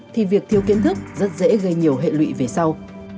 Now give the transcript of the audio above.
thì việc thiếu kiến thức rất dễ gây nhiều hệ lụy về sau